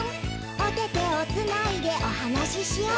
「おててをつないでおはなししよう」